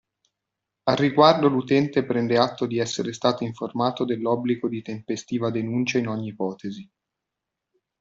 Al riguardo l'utente prende atto di essere stato informato dell'obbligo di tempestiva denuncia in ogni ipotesi.